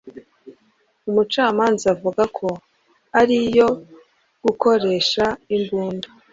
umucamanza avuga ko ari iyo gukoresha imbunda